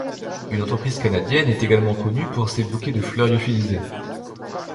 Une entreprise canadienne est également connue pour ses bouquets de fleurs lyophilisés.